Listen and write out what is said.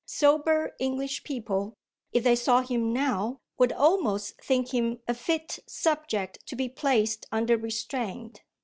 Sober English people, if they saw him now, would almost think him a fit subject to be placed under restraint.